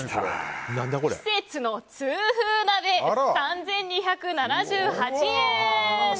季節の痛風鍋、３２７８円。